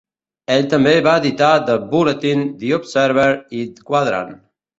Ell també va editar "The Bulletin", "The Observer" i "Quadrant".